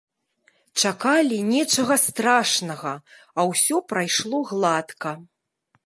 Чакалі нечага страшнага, а ўсё прайшло гладка.